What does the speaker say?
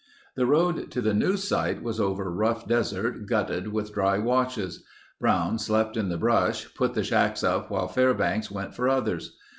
The road to the new site was over rough desert, gutted with dry washes. Brown slept in the brush, put the shacks up while Fairbanks went for others.